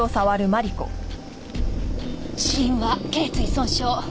死因は頸椎損傷。